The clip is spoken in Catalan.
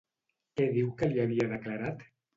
Què diu que li havia declarat?